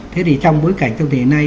thế thì trong bối cảnh trong thế này